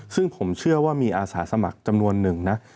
ซึ่งผมเชื่อว่ามีอาสาสมัครจำนวนหนึ่งนะ